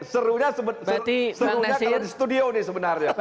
serunya sebelumnya kalau di studio nih sebenarnya